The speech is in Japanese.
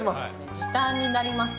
時短になります。